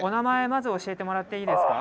まず教えてもらっていいですか？